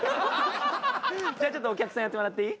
じゃあちょっとお客さんやってもらっていい？